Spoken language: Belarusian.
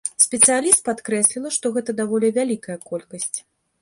Спецыяліст падкрэсліла, што гэта даволі вялікая колькасць.